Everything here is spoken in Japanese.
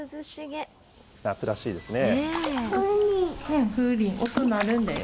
夏らしいですね。